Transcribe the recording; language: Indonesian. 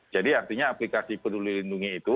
jadi artinya aplikasi peduli lindungi itu